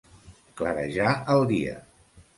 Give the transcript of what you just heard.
Clarejar el dia.